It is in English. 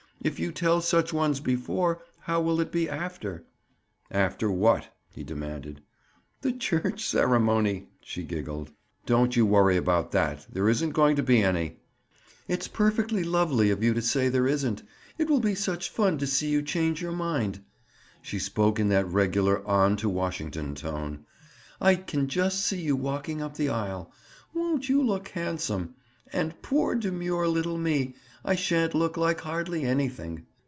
"If you tell such ones before, how will it be after?" "After what?" he demanded. "The church ceremony," she giggled. "Don't you worry about that. There isn't going to be any." "It's perfectly lovely of you to say there isn't. It will be such fun to see you change your mind." She spoke in that regular on to Washington tone. "I can just see you walking up the aisle. Won't you look handsome? And poor, demure little me! I shan't look like hardly anything."